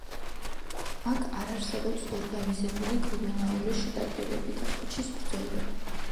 აქ არ არსებობს ორგანიზებული კრიმინალური შეტაკებები და ქუჩის ბრძოლები.